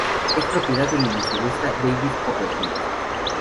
Es propiedad del ilusionista David Copperfield.